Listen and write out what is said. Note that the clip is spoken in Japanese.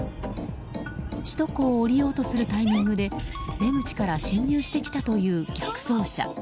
首都高を降りようとするタイミングで出口から進入してきたという逆走車。